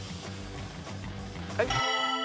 はい。